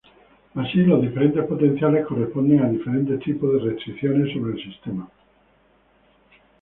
Así los diferentes potenciales corresponden a diferentes tipos de restricciones sobre el sistema.